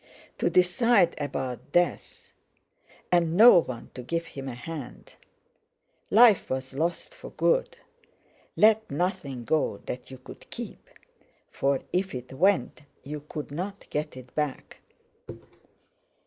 To decide about death! And no one to give him a hand. Life lost was lost for good. Let nothing go that you could keep; for, if it went, you couldn't get it back.